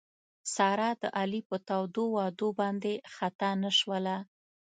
ساره د علي په تودو وعدو باندې خطا نه شوله.